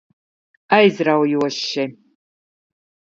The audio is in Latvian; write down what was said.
Aizraujoši.